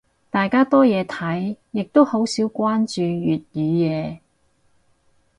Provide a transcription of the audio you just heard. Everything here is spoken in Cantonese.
大家多嘢睇，亦都好少關注粵語嘢。